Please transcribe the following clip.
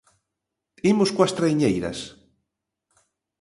Imos coas traiñeiras.